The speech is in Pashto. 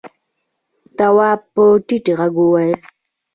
تواب په ټيټ غږ وويل: